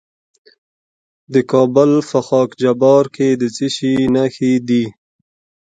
د کابل په خاک جبار کې د څه شي نښې دي؟